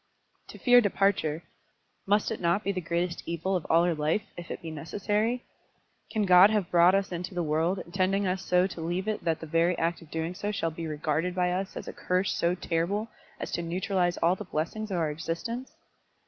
"To fear departure; must it not be the greatest evil of all our life, if it be necessary? Can God have brought us into the world, intending us so to leave it that the very act of doing so shall be regarded by us as a curse so terrible as to neutralise all the blessings of our existence?